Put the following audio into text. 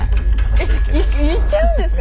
えっ行っちゃうんですか